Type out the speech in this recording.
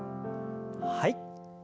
はい。